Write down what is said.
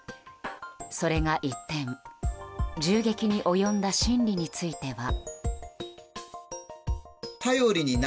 それが一転銃撃に及んだ心理については。